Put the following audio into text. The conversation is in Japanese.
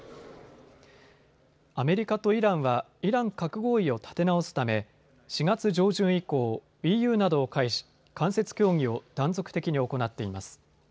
アメリカとイランはイラン核合意を立て直すため４月上旬以降、ＥＵなどを介し間接協議を断続的に行っています。